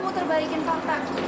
mau terbaikin kontak